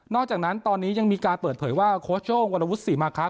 อกจากนั้นตอนนี้ยังมีการเปิดเผยว่าโค้ชโย่งวรวุฒิศรีมาคะ